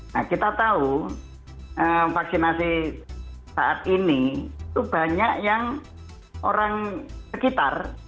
nah kita tahu vaksinasi saat ini itu banyak yang orang sekitar